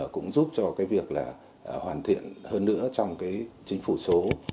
cũng giúp cho cái việc là hoàn thiện hơn nữa trong cái chính phủ số